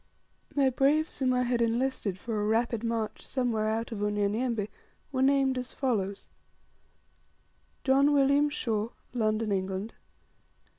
My braves whom I had enlisted for a rapid march somewhere, out of Unyanyembe, were named as follows: 1. John William Shaw, London, England.